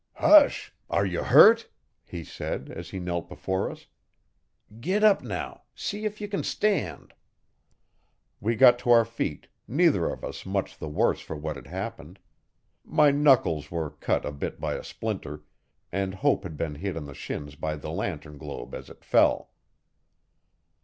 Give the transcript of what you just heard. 'Hush! Are you hurt?' he said, as he knelt before us. 'Git up now, see if ye can stand.' We got to our feet, neither of us much the worse for what had happened My knuckles were cut a bit by a splinter, and Hope had been hit on the shins by the lantern globe as it fell.